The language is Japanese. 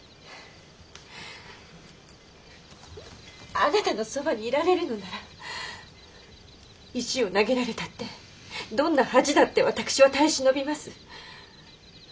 あなたのそばにいられるのなら石を投げられたってどんな恥だって私は耐え忍びます。